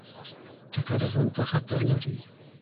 ټکر ژوند ته خطر لري.